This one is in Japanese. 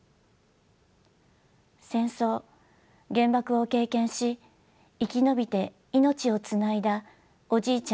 戦争原爆を経験し生き延びて命をつないだおじいちゃん